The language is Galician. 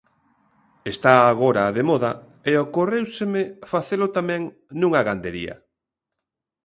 Está agora de moda e ocorréuseme facelo tamén nunha gandería.